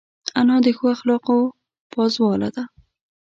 انا د ښو اخلاقو پازواله ده